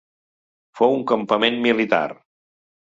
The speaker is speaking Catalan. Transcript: Fou un campament militar.